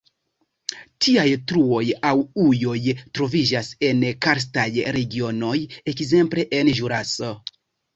Tiaj truoj aŭ ujoj troviĝas en karstaj regionoj, ekzemple en Ĵuraso.